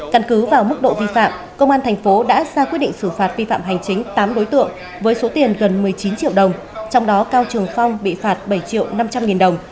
căn cứ vào mức độ vi phạm công an thành phố đã ra quyết định xử phạt vi phạm hành chính tám đối tượng với số tiền gần một mươi chín triệu đồng trong đó cao trường phong bị phạt bảy triệu năm trăm linh nghìn đồng